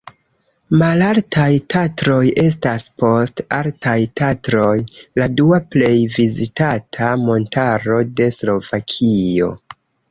Malaltaj Tatroj estas post Altaj Tatroj la dua plej vizitata montaro de Slovakio.